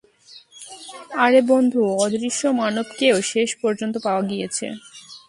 আরে বন্ধু, অদৃশ্য মানবকেও শেষ পর্যন্ত পাওয়া গিয়েছে।